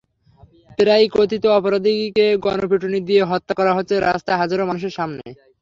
প্রায়ই কথিত অপরাধীকে গণপিটুনি দিয়ে হত্যা করা হচ্ছে রাস্তায় হাজারো মানুষের সামনে।